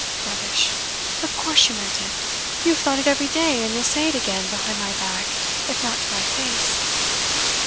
'Rubbish! Of course you meant it. You have thought it every day, and you'll say it again, behind my back, if not to my face.